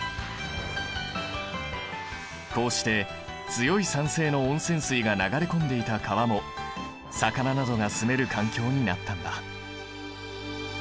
こうして強い酸性の温泉水が流れ込んでいた川も魚などが住める環境になったんだ。